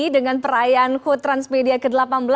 dengan perayaan hood transmedia ke delapan belas